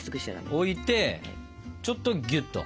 置いてちょっとギュッと。